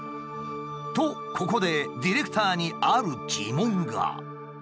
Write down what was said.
とここでディレクターにある疑問が。